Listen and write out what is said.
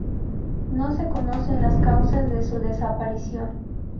No se conocen las causas de su desaparición.